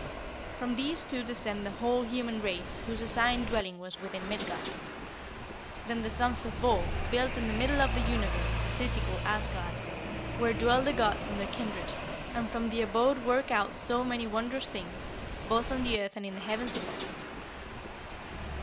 From these two descend the whole human race whose assigned dwelling was within Midgard. Then the sons of Bor built in the middle of the universe the city called Asgard, where dwell the gods and their kindred, and from that abode work out so many wondrous things, both on the earth and in the heavens above it.